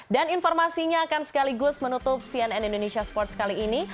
dan informasinya akan sekaligus menutup cnn indonesia sports kali ini